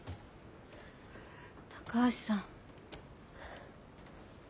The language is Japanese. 高橋さん。